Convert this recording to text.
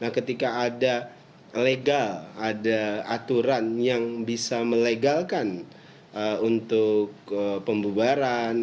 ketika ada legal ada aturan yang bisa melegalkan untuk pembubaran